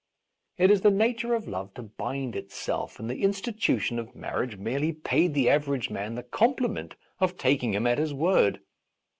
It is the nature of love to bind itself, and the institution of marriage merely paid the average man the compliment of taking him at his word.